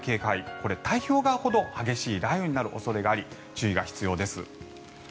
これ、太平洋側ほど激しい雷雨になる恐れがあり注意が必要です。